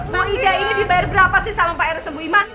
bu ida ini dibayar berapa sih sama pak r s m bu ima